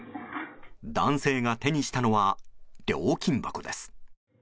男性が手にしたのは料金箱です。